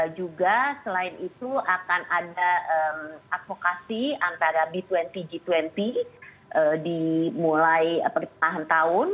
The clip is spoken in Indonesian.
juga selain itu akan ada advokasi antara b dua puluh g dua puluh dimulai pertengahan tahun